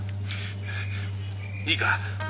「いいか？」